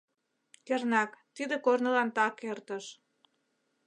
Кернак, тиде корнылан так эртыш.